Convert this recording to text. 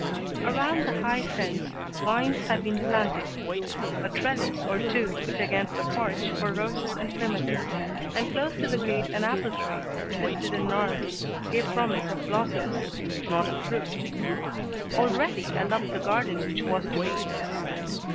Around the high fence vines had been planted, a trellis or two put against the porch for roses and clematis, and close to the gate an apple tree, twisted and gnarled, gave promise of blossoms, if not of fruit. Already I loved the garden which was to be.